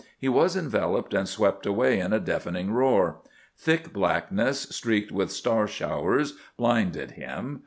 He was enveloped and swept away in a deafening roar. Thick blackness, streaked with star showers, blinded him.